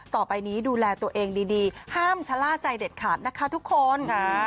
ต่อไปนี้ดูแลตัวเองดีห้ามชะล่าใจเด็ดขาดนะคะทุกคน